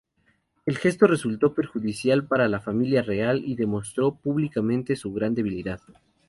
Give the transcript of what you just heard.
Este gesto resultó perjudicial para la familia real, y demostró públicamente su gran debilidad.